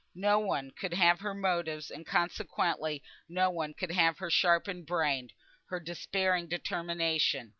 No one could have her motives; and consequently no one could have her sharpened brain, her despairing determination.